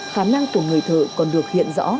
khả năng của người thợ còn được hiện rõ